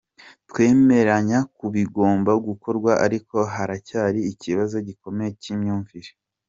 Twemeranya ku bigomba gukorwa ariko haracyari ikibazo gikomeye cy’imyumvire.